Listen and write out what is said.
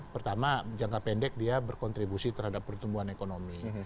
pertama jangka pendek dia berkontribusi terhadap pertumbuhan ekonomi